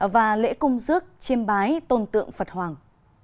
và lễ cung dước chiêm bái tôn tượng phật hoàng